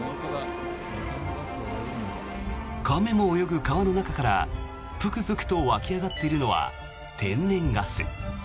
亀も泳ぐ川の中からプクプクと湧き上がっているのは天然ガス。